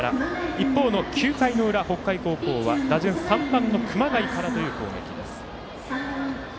一方の９回の裏、北海高校は打順３番の熊谷からという攻撃。